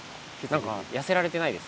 何か痩せられてないですか？